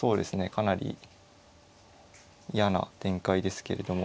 かなり嫌な展開ですけれども。